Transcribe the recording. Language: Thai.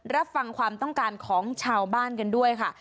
รับฟังความต้องการของชาวบ้านกันด้วยค่ะ